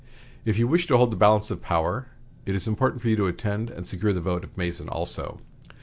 If you wish to hold the balance of power, it is important for you to attend to and secure the vote of Mason also."